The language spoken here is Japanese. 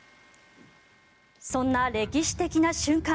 そんな歴史的な瞬間